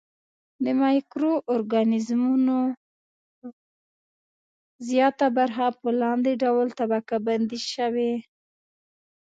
د مایکرو ارګانیزمونو زیاته برخه په لاندې ډول طبقه بندي شوې.